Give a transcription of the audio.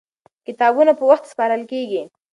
کتابونه په وخت سپارل کېږي.